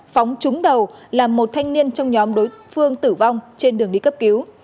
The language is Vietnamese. phóng trúng đầu làm một thanh niên trong nhóm đối phương tử vong trên đường đi cấp cứu